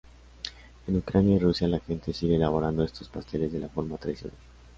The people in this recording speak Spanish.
En Ucrania y Rusia la gente sigue elaborando estos pasteles de la forma tradicional.